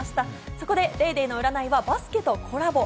そこで『ＤａｙＤａｙ．』の占いはバスケとコラボ。